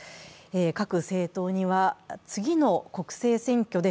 各政党には次の国政選挙で